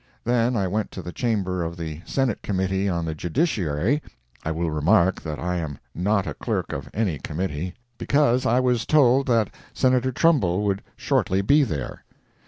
Then I went to the chamber of the Senate Committee on the Judiciary (I will remark that I am not a clerk of any committee), because I was told that Senator Trumbull would shortly be there.